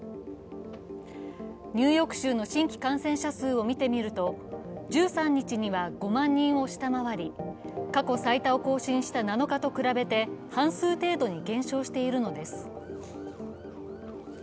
ニューヨーク州の新規感染者数を見てみると１３日には５万人を下回り、過去最多を更新した７日と比べて半数程度に減少しているのです。